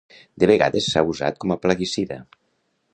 De vegades s’ha usat com plaguicida.